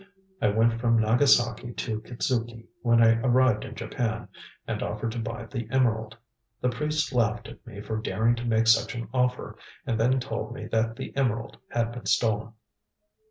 "I went from Nagasaki to Kitzuki, when I arrived in Japan, and offered to buy the emerald. The priests laughed at me for daring to make such an offer, and then told me that the emerald had been stolen."